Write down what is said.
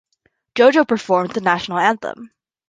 JoJo performed the national anthem.